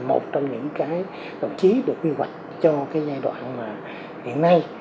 một trong những cái đồng chí được quy hoạch cho cái giai đoạn mà hiện nay